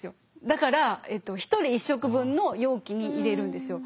だから１人１食分の容器に入れるんですよ。